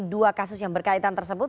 dua kasus yang berkaitan tersebut